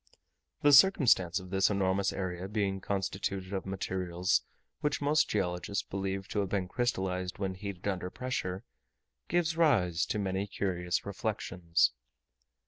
The circumstance of this enormous area being constituted of materials which most geologists believe to have been crystallized when heated under pressure, gives rise to many curious reflections.